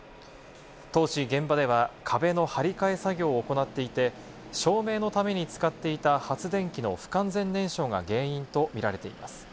当時、現場では壁の張り替え作業を行っていて、照明のために使っていた発電機の不完全燃焼が原因と見られています。